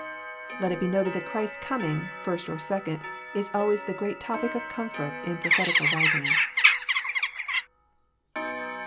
n Let it be noted that Christ's comins:, first or second, is always the great topic of comfort in prophetical writings.